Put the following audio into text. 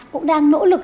cũng đang nỗ lực